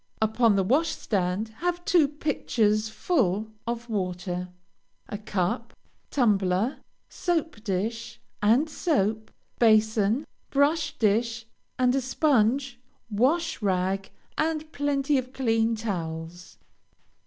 Upon the washstand, have two pitchers full of water, a cup, tumbler, soap dish and soap, basin, brush dish, and a sponge, wash rag, and plenty of clean towels.